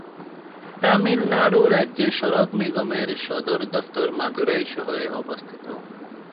তামিলনাড়ু রাজ্য সড়ক নিগমের সদর দপ্তর মাদুরাই শহরে অবস্থিত।